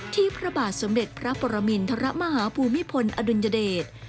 พระบาทสมเด็จพระปรมินทรมาฮภูมิพลอดุลยเดช